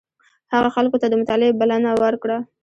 هغه خلکو ته د مطالعې بلنه ورکړه.